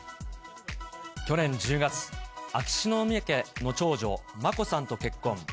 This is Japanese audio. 去年１０月、秋篠宮家の長女、眞子さんと結婚。